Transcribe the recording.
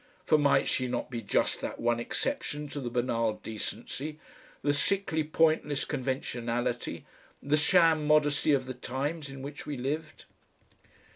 For might she not be just that one exception to the banal decency, the sickly pointless conventionality, the sham modesty of the times in which we lived?